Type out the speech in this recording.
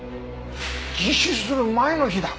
自首する前の日だ！